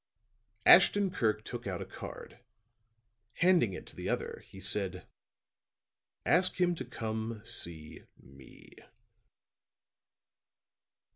Ashton Kirk took out a card; handing it to the other, he said: "Ask him to come see me."